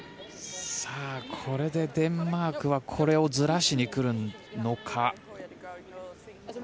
これでデンマークはこれをずらしに来るのか。